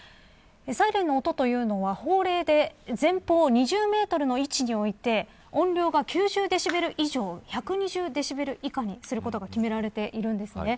サイレンの音というのは法令で前方２０メートルの位置において音量が９０デシベル以上１２０デシベル以下にするということが決められているんです。